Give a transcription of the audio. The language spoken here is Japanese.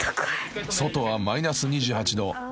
［外はマイナス２８℃］